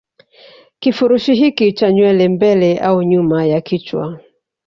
Kifurushi hiki cha nywele mbele au nyuma ya kichwa